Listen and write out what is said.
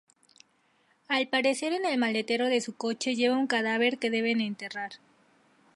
Al parecer, en el maletero de su coche lleva un cadáver que deben enterrar.